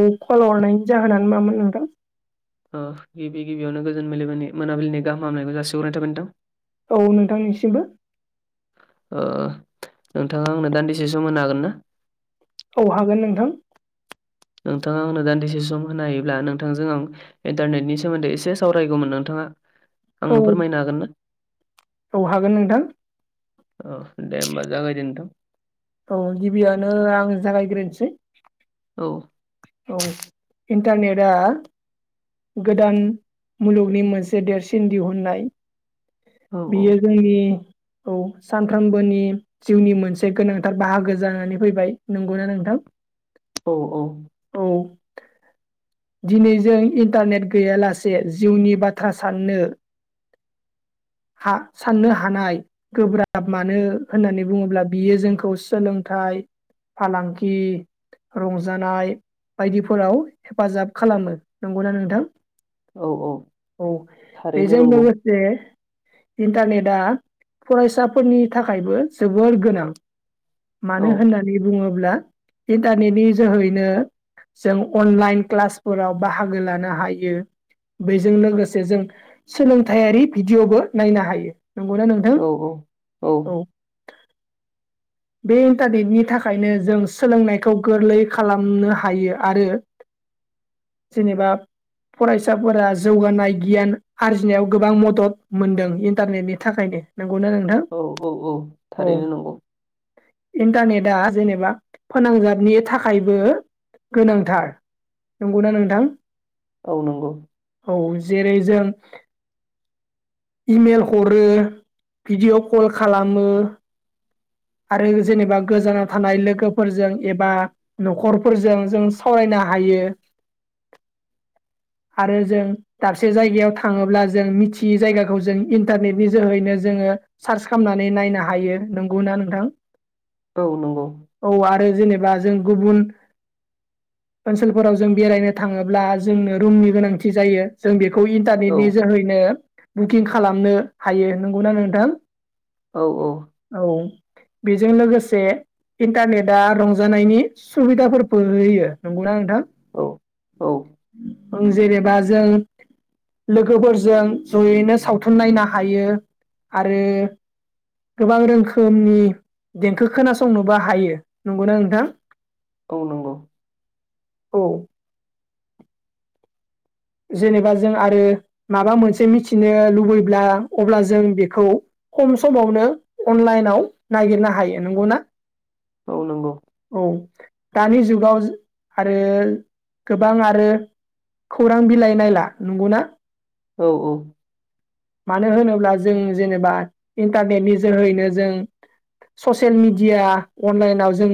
औ खल हरनायनि जाहोनानो मामोन नोंथां ओ गिबि गिबियावनो गोजोन बिलिबिनि मोनाबिलिनि गाहाम हामलनायखौ जासिगोरनाय थाबाय नोंथां औ नोंथांनिसिमबो ओ नोंथाङा आंनो दान्दिसे सम होनो हागोन ना औ हागोन नोंथां नोंथाङा आनो दान्दिसे सम होनो हायोब्ला नोंथांजों आं इन्टारनेटनि सोमोन्दै एसे सावरायगौमोन नोंथाङा औ आंनो फोरमायनो हागोन ना औ हागोन नोंथां औ दे होमबा जागायदो नोंथां औ गिबियावनो आं जागायग्रोनोसै औ औ इन्टारनेटआ गोदान मुलुगनि मोनसे देरसिन दिहुननाय औ बियो जोंनि औ सानफ्रोमबोनि जिउनि मोनसे गोनांथार बाहागो जानानै फैबाय नंगौना नोंथां औ औ औ दिनै जों इन्टारनेट गैयालासे जिउनि बाथ्रा साननो [inaudible] हा साननो हानाय गोब्राब मानो होननानै बुङोब्ला बियो जोंखौ सोलोंथाइ फालांगि रंजानाय बायदिफोराव हेफाजाब खालामो नंगौना नोंथां औ औ औ थारैनो बेजों नंगौ लोगोसे इन्टारनेटआ फरायसाफोरनि थाखायबो जोबोर गोनां औ मानो होननानै बुङोब्ला इन्टारनेटनि जोहैनो जों अनलाइन क्लासफोराव बाहागो लानो हायो बेजों लोगोसे जों सोलोंथायारि भिडिय'बो नायनो हायो नंगौना नोंथां औ औ बे इन्टारनेटनि थाखायनो जों सोलोंनायखौ गोरलै खालामनो हायो आरो जेनेबा फरायसाफोरा जौगानाय गियान आरजिनायाव गोबां मदद मोनदों इन्टारनेटनि थाखायनो नंगौ ना नोंथां औ औ औ औ थारैनो नंगौ इन्टारनेटआ जेनेबा फोनांजाबनि थाखायबो गोनांथार नंगौना नोंथां औ नंगौ औ जेरै जों इमेल हरो भिडिअ' कल खालामो आरो जेनेबा गोजानाव थानाय लोगोफोरजों एबा न'खर फोरजों जों सावरायनो हायो [inaudible] आरो जों दाबसे जायगायाव थाङोब्ला जों मिथियै जायगाखौ जों इन्टारनेटनि जोहैनो जो ङो सार्च खालामनानै नायनो हायो नंगौना नोंथां औ नंगौ ओ जेनेबा जों गुबुन ओनसोलफोराव जों बेरायनो थाङोब्ला जोंनो रुमनि गोनांथि जायो जों बे खौ औ इन्टारनेटनि जोहैनो बुकिं खालामनो हायो नंगौना नोंथां औ बेजों लोगोसे इन्टारनेटआ रंजानायनि सुबिदाफोर बो होयो नंगौना नोंथां औ औ ओं जेनेबा जों लोगोफोरजों जयैनो सावथुन नायनो हायो आरो गोबां रोखोमनि देंखो खोनासंनोबो हायो नंगौना नोंथां औ नंगौ औ जेनेबा जों आरो माबा मोनसे मिथिनो लुबैब्ला अब्ला जों बेखौ खम समावनो अनलाइनाव नागिरनो हायो नंगौना औ नंगौ औ दानि जुगाव आरो गोबां आरो खौरां बिलाइ नायला नंगौना औ औ मानो होनोब्ला जों जेनेबा इन्टारनेटनि जोहैनो जों ससियेल मिडिया अनलाइनाव जों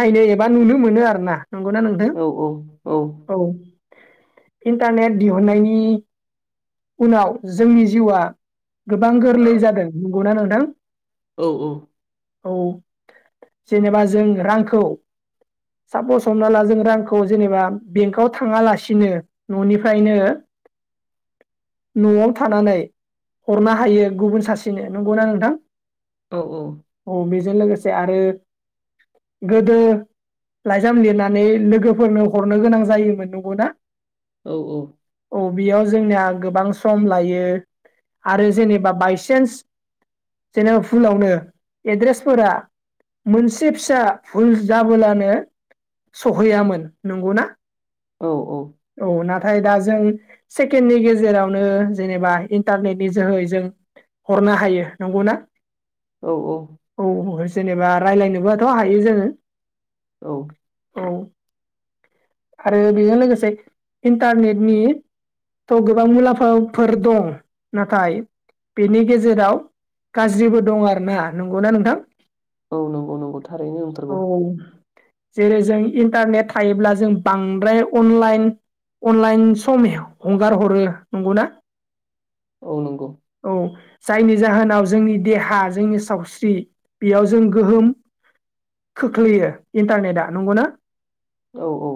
नायनो एबा नुनो मोनो आरोना नंगौना नोंथां औ औ इन्टारनेट दिहुननायनि उनाव जोंनि जिउआ गोबां गोरलै जादों नंगौना नोंथां औ औ औ जेनेबा जों रांखौ सापस हमना ला जों रांखौ जेनेबा बेंकआव थाङाला सिनो न'निफ्रायनो न'आव थानानै हरनो हायो गुबुन सासेनो नंगौना नोंथां औ औ बेजों लोगोसे आरो गोदो लाइजाम लिरनानै लोगोफोरनो हरनो गोनां जायोमोन नंगौ ना औ औ औ बेयाव जोंनिया गोबां सम लायो आरो जेनेबा बायसान्स जेनेबा फुलावनो एड्रेसफोरा मोनसे फिसा भुल जाब्लानो सहैयामोन नंगौ ना औ औ औ ना थाय दा जों सेकेणडनि गेजेरावनो जेनेबा इन्टारनेटनि जोहै जों हरनो हायो नंगौ ना औ औ जेनेबा राय्लायनोबथ' हायो जोङो औ औ आरो बेजों लोगोसे इन्टारनेटनि थ' गोबां मुलाम्फाफोर दं नाथाय बेनि गेजेराव गाज्रिबो दं आरोना नंगौना नोंथां औ नंगौ नंगौ थारैनो औ नंथारगौ जेरै जों इन्टारनेट थायोब्ला जों बांद्राय अनलाइन अनलाइन सम हंगार हरो नंगौ ना औ नंगौ जायनि जाहोनाव जोंनि देहा जोंनि सावस्रि बेयाव जों गोहोम खोख्लैयो इन्टारनेटआ नंगौना औ औ।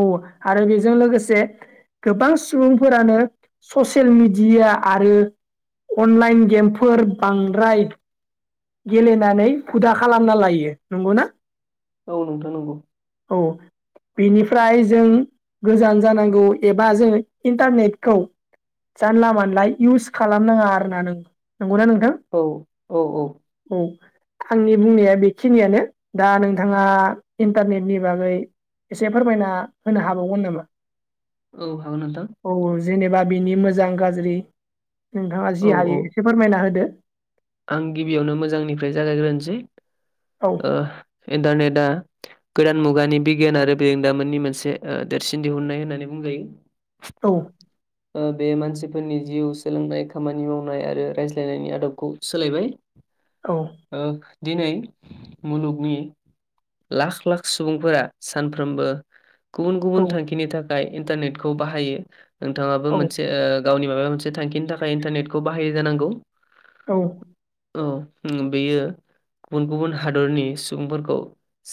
औ आरो बे जों लोगोसे गोबां सुबुंफोरानो ससियेल मिडिया आरो अनलाइन गेमफोर बांद्राय गेलेनानै हुदा खालामना लायो। नंगौना? औ नोंथां नोंगौ। औ। बिनिफ्राय जों गोजान जानांगौ एबा जों इन्टारनेटखौ जानला मोनला इउस खालामनाङा आरोना नों नंगौना नोंथां औ औ औ। औ। आंनि बुंनाया बेखिनियानो दा नोंथाङा इन्टारनेटनि बागै एसे फोरमायना होनो हाबावगोन नामा? औ हागोन नोंथां। औ जेनेबा बिनि मोजां गाज्रि नोंथाङा जि औ हायो औ एसे फोरमायना होदो। आं गिबियावनो मोजांनिफ्राय जागायग्रोनसै औ ओ इन्टारनेटआ गोदान मुगानि बिगियान आरो बेरोंदामोननि मोनसे देरसिन दिहुननाय होननानै बुंजायो। औ। ओ बे मानसिफोरनि जिउ सोलोंनाय खामानि मावनाय आरो रायज्लायनायनि आदबखौ सोलायबाय औ ओ दिनै मुलुगनि लाख लाख सुबुंफोरा सानफ्रोमबो गुबुन औ गुबुन थांखिनि थाखाय इन्टारनेटखौ बाहायो नोंथाङाबो मोनसे ओ गावनि माबा मोनसे थांखिनि थाखाय इन्टारनेटखौ बाहायो जानांगौ। [inaudible] औ उम बेयो गुबुन गुबुन हादरनि सुबुंफोरखौ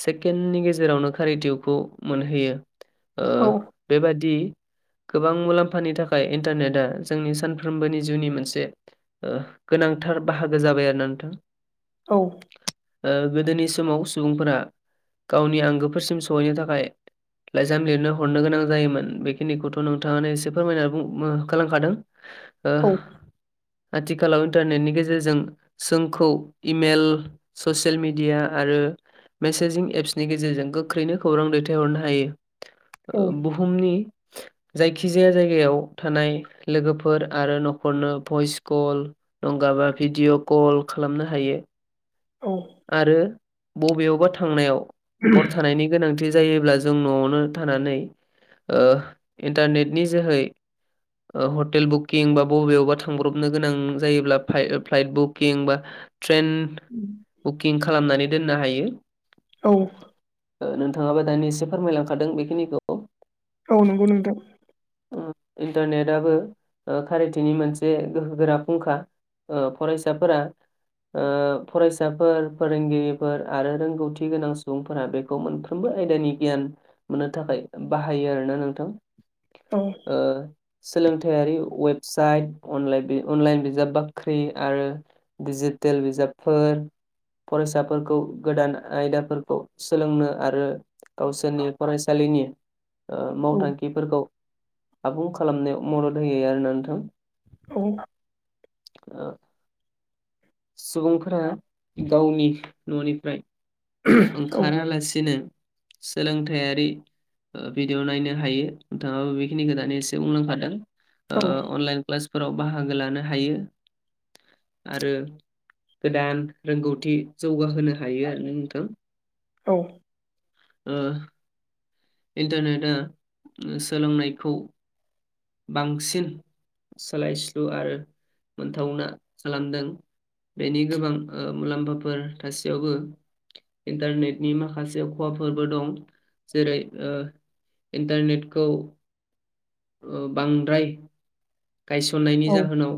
सेकेन्डनि गेजेरावनो खारिटिउखौ मोनहैयो ओ बेबादि गोबां मुलाम्फानि थाखाय इन्टारनेटआ जोंनि सानफ्रोमबोनि जिउनि मोनसे ओ गोनां थार बाहागो जाबाय आरोना नोंथां। औ। ओ गोदोनि समाव सुबुंफोरा गावनि आंगोफोरसिम सहैनो थाखाय लाइजाम लिरनो हरनो गोनां जायोमोन बेखिनिखौथ' नोंथाङानो एसे फोरमायना बुं होखा लांखादों। ओ आथिखालाव इन्टारनेटनि गेजेरजों जोंखौ इमेल ससेयेल मिडिया आरो मेसेजिं एप्सनि गेजेरजों गोख्रैनो खौरां दैथायहरनो हायो। ओ बुहुमनि जायखिजाया जायगायाव थानाय लोगोफोर आरो न'खरनो भइस कल नंगाबा भिडिअ' कल खालामनो हायो। औ आरो बबेयावबा थांनायाव हर थानायनि गोनांथि जायोब्ला जों न'आवनो थानानै ओ इन्टारनेटनि जोहै ओ हटेल बुकिं बा बबेयावबा थांब्रबनो गोनां जायोब्ला फाइ ओ फ्लाइट बुकिं बा ट्रेन बुकिं खालामनानै दोननो हायो। औ। ओ नोंथाङाबो दानि एसे फोरमायलांखादों बेखिनिखौ। औ नंगौ नोंथां ओ इन्टारनेटआबो ओ खारिथिनि मोनसे गोहो गोरा फुंखा। ओ फरायसाफोरा ओ फरायसाफोर फोरोंगिरिफोर आरो रोंगौथि गोनां सुबुंफोरा बेखौ मोनफ्रोमबो आयदानि गियान मोननो थाखाय बाहायो आरोना नोंथां। औ ओ सोलोंथायारि वेबसाइट अनलाइ बि अनलाइन बिजाब बाख्रि आरो दिजिद टेल बिजाबफोर फरायसाफोरखौ गोदान आयदाफोरखौ सोलोंनो आरो गावसोरनि फरायसालि नि ओ औ मावथांखिफोरखौ आबुं खालामनायाव मदद होयो आरोना नोंथां औ औ सुबुंफोरा गावनि न'निफ्राय औ ओंखारालासिनो सोलोंथायारि भिदिअ नायनो हायो नोंथाङाबो बेखिनि दानि एसे बुंलांखादों ओ अनलाइन क्लास फोराव बाहागो लानो हायो आरो गोदान रोंगौथि जौगाहोनो हायो आरो नोंथां औ ओ इन्टारनेटआ सोलोंनायखौ बांसिन सोलायस्लु आरो मोनथावना खालामदों बेनि गोबां ओ मुलामफाफोर थासेयावबो इन्टारनेटनि माखासे खहाफोरबो दं जेरै ओ इन्टारनेटखौ ओ बांद्राय गायसननायनि औ जाहोनाव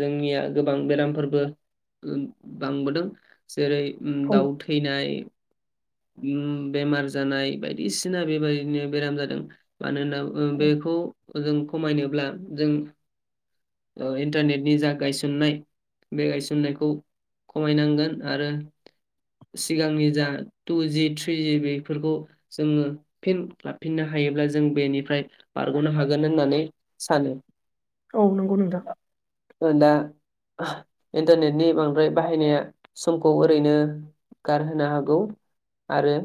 जोंनिया गोबां बेरामफोरबो बांबोदों जेरै औ दाउ थैनाय बेमार जानाय बायदिसिना बेबायदिनो बेराम जादों मानो होनना बेखौ जों खमायनोब्ला जों इन्टारनेटनि जा गाय सनाय बे गायसननायखौ खमायनांगोन आरो सिगांनि जा टु जि थ्रि जि बेफोरखौ जोङो फिन लाफिननो हायोब्ला जों बेनिफ्राय बारग'नो हागोन होननानै सानो औ नंगौ नोंथां दा इन्टारनेटनि बांद्राय बाहायनाया समखौ ओरैनो गारहोनो हागौ आरो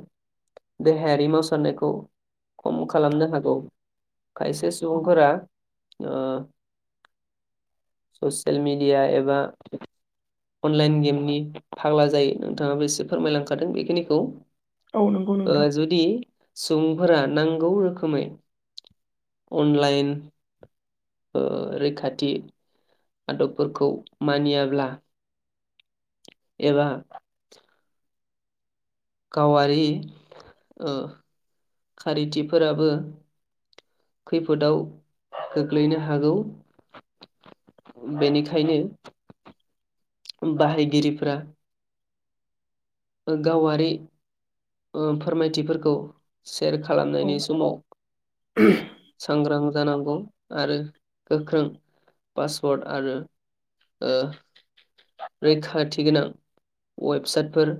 देहायारि मावसारनायखौ खम खालामनो हागौ खायसे सुबुंफोरा ओ ससियेल मिडिया एबा अनलाइन गेमनि फाग्ला जायो नोंथाङाबो एसे फोरमायलांखादों बेखिनिखौ औ नंगौ ओ नोंथां जुदि सु बुंफोरा नांगौ रोखोमै अनलाइन रैखाथि आदबफोरखौ मानियाब्ला एबा गावारि ओ खारिथिफोराबो खैफोदाव गोग्लैनो हागौ बेनिखायनो बाहायगिरिफ्रा गावारि फोरमायथिफोरखौ सेयार औ खालामनायनि समाव सांग्रां जानांगौ आरो गोख्रों पासवर्ड आरो ओ रैखाथि गोनां वेबसाइटफोर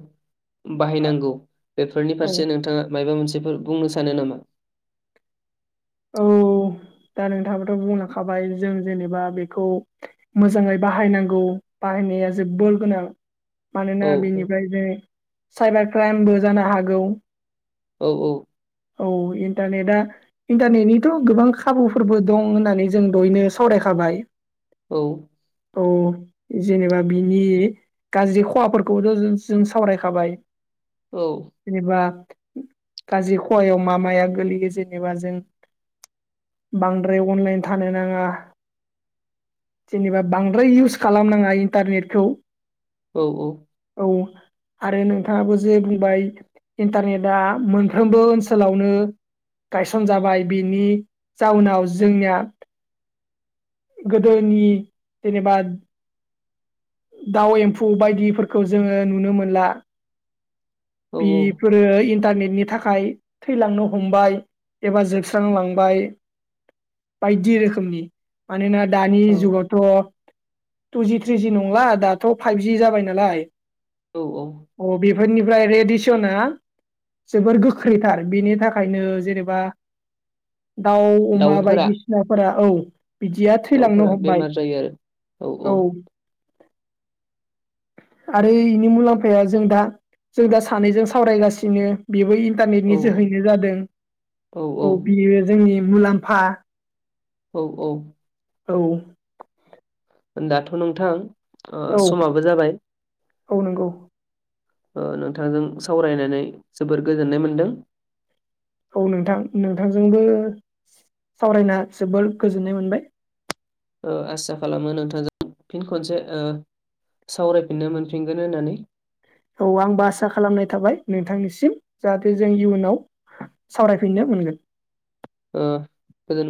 बाहायनांगौ बेफोरनि औ फारसे नोंथाङा मायबा मोनसेफोर बुंनो सानो नामा? औ दा नोंथाङाथ' बुंलांखाबाय जों जेनेबा बेखौ मोजाङै बाहायनांगौ बाहायनाया जोबोद गोनां औ मानोना बिनिफ्राय जै साइबार क्राइमबो जानो हागौ औ औ। औ इन्टारनेटआ इन्टारनेटनिथ' गोबां खाबुफोरबो दं होननानै जों दहायनो सावरायखा बाय औ औ जेनेबा बिनि गाज्रि खहाफोरखौथ' जों सावरायखाबाय। औ जेनेबा गाजि खहायाव मा माया गोलैयो जेनेबा जों बांद्राय अनलाइन थानो नाङा जेनेबा बांद्राय इउस खालामनाङा इन्टारनेटखौ औ औ। औ आरो नोंथाङाबो जे बुंबाय इन्टारनेटआ मोनफ्रोमबो ओनसो सोलावनो गायसन जाबाय बिनि जाउनाव जोंनिया गोदोनि जेनेबा दाउ एम्फौ बायदिफोरखौ जोङो नुनो मोनला। औ बिफोरो इन टारनेटनि थाखाय थैलांनो हमबाय एबा जोबस्रांलांबाय। बायदि रोखोमनि मानोना दानि औ जुगावथ' टुजि थ्रिजि नंला दाथ फाइभजि जाबाय नालाय। औ औ। ओमफ्राय रेडिसना जोबोर गोख्रैथार बेनि थाखायनो जेनेबा दाउ अमा दाउफोरा बायदिसिनाफोरा औ बिदिया थैलांनो दाउफोरा हमबाय बेमार जायो आरो औ। आरो इनि मुलाम्फाया जों दा जों दा सानैजों सावरायगासिनो बेबो इ औ न्टारनेटनि जोहैनो जादों औ बियो जोंनि मुलाम्फा। औ औ। औ। दाथ नोंथां ओ औ समाबो जाबाय। औ नोंगौ। ओ नोंथांजों सावरायनानै जोबोर गोजोननाय मोनदों। औ नोंथां नोंथांजोंबो सावरायना जोबोर गोजोननाय मोनबाय। ओ आसा खालामो नोंथांजों फिन खनसे ओ सावरायफिननो मोनफिनगोन होननानै औ आंबो आसा खालामनाय थाबाय नोंथांनिसिम जाहाथे जों इयुनाव सावरायफिननो मोनगोन। ओ गोजोन